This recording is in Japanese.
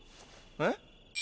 えっ？